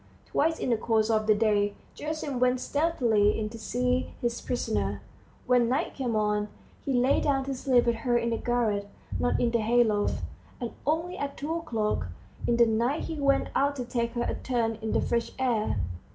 Twice in the course of the day Gerasim went stealthily in to see his prisoner; when night came on, he lay down to sleep with her in the garret, not in the hay loft, and only at two o'clock in the night he went out to take her a turn in the fresh air.